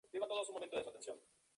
Fue declarada santuario por el Card.